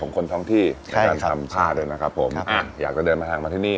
ของคนท้องที่ในการทำผ้าอยากจะเดินเอามาทางมาที่นี่